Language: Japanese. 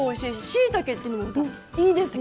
しいたけっていうのもいいですね。